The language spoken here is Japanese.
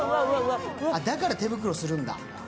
だから手袋するんだ。